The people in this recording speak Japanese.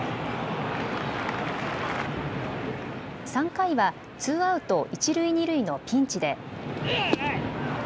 ３回はツーアウト一塁二塁のピンチで。